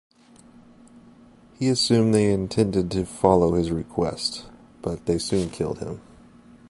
He assumed they intended to follow his request, but they soon killed him.